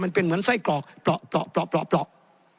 มันเป็นเหมือนไส้กรอกปลอกปลอกปลอกปลอกปลอก